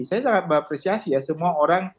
saya sangat mengapresiasi ya semua orang